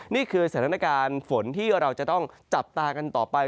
นี่คือสถานการณ์ฝนที่เราจะต้องจับตากันต่อไป